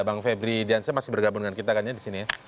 bang febri dan saya masih bergabung dengan kita kan ya di sini